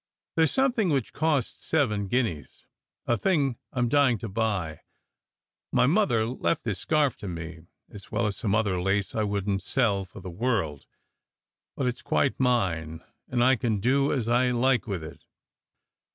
There s some thing which costs seven guineas a thing I m dying to buy. My mother left this scarf to me, as well as some other lace I wouldn t sell for the world. But it s quite mine and I can do as I like with it."